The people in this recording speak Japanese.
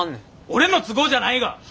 俺の都合じゃないが。